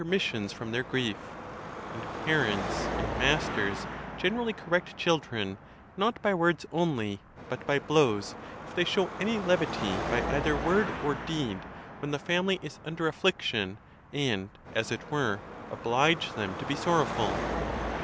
119 _ missions from their grief; and parents and masters gen erally correct children not by words only, but by blows, if they show any levity by either word or deed when the family is under affliction, and, as it were, oblige them to be sorrowful.